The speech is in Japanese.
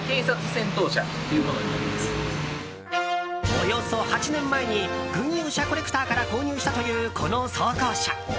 およそ８年前に軍用車コレクターから購入したという、この装甲車。